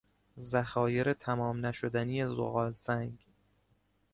ذخایر تمام نشدنی زغالسنگ